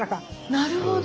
なるほど。